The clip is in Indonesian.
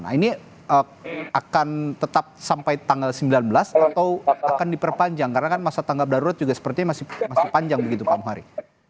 nah ini akan tetap sampai tanggal sembilan belas atau akan diperpanjang karena kan masa tanggap darurat juga sepertinya masih panjang begitu pak muhari